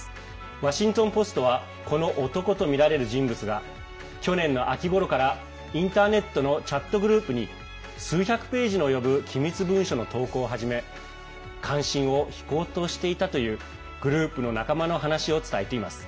ワシントン・ポストはこの男とみられる人物が去年の秋ごろからインターネットのチャットグループに数百ページに及ぶ機密文書の投稿を始め関心を引こうとしていたというグループの仲間の話を伝えています。